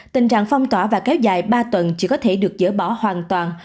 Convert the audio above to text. tình trạng phong tỏa và kéo dài ba tuần chỉ có thể được dỡ bỏ hoàn toàn